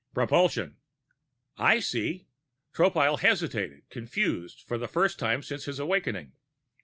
"Propulsion." "I see." Tropile hesitated, confused for the first time since his awakening.